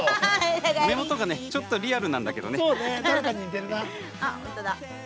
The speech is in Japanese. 目元がちょっとリアルだけどね。